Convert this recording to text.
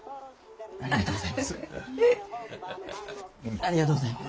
ありがとうございます。